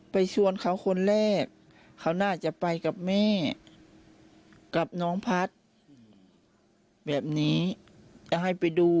ชวนเขาคนแรกเขาน่าจะไปกับแม่กับน้องพัฒน์แบบนี้จะให้ไปดู